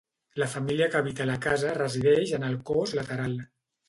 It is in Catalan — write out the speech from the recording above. La família que habita la casa resideix en el cos lateral.